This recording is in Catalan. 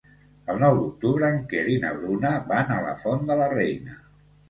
El nou d'octubre en Quer i na Bruna van a la Font de la Reina.